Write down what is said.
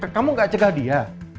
kamu gak cegah dia